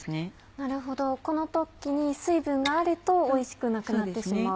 なるほどこの時に水分があるとおいしくなくなってしまう？